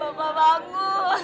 bapak bangun bapak